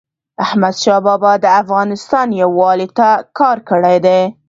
احمدشاه بابا د افغانستان یووالي ته کار کړی دی.